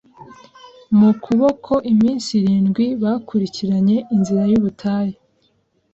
mukuboko iminsi irindwi Bakurikiranye inzira yubutayu